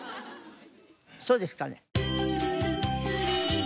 そうですかね？